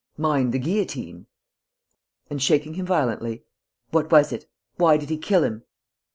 Mind the guillotine!" And, shaking him violently, "What was it? Why did he kill him?"